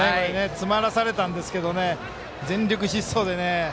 詰まらされたんですけど全力疾走でね。